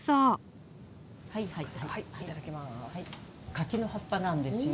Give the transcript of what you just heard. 柿の葉っぱなんですよ。